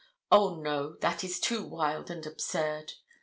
O, no, that is too wild and absurd.